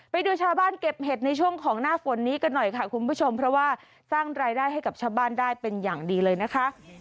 ไปดูชาวบ้านเก็บเห็ดในช่วงของหน้าฝนนี้กันหน่อยค่ะคุณผู้ชมเพราะว่าสร้างรายได้ให้กับชาวบ้านได้เป็นอย่างดีเลยนะคะ